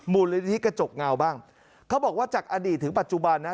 มูลนิธิกระจกเงาบ้างเขาบอกว่าจากอดีตถึงปัจจุบันนะ